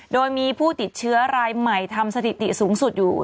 โดยมีผู้ติดเชื้อรายใหม่ทำสถิติสูงสุดอยู่